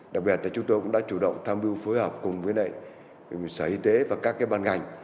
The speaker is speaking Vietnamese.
đặc biệt là chúng tôi cũng đã chủ động tham mưu phối hợp cùng với sở y tế và các ban ngành